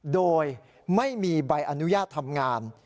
โดยไม่มีใบอนุญาตทำงาน